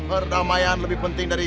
perdamaian lebih penting dari